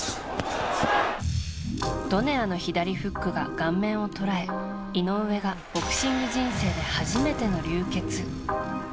ドネアの左フックが顔面を捉え井上がボクシング人生で初めての流血。